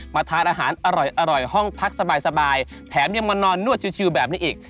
ทานอาหารอร่อยห้องพักสบายแถมยังมานอนนวดชิวแบบนี้อีก